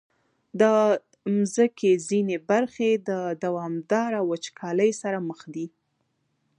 د مځکې ځینې برخې د دوامداره وچکالۍ سره مخ دي.